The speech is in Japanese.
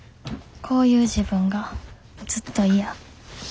こういう自分がずっと嫌。